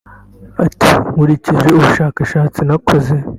Ati "Nkurikije ubushakashatsi nakoze